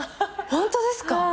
ホントですか。